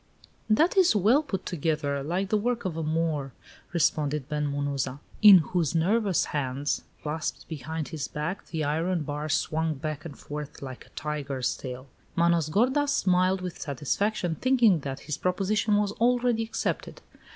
"That it is well put together, like the work of a Moor," responded Ben Munuza, in whose nervous hands, clasped behind his back, the iron bar swung back and forth like a tiger's tail. Manos gordas smiled with satisfaction, thinking that his proposition was already accepted.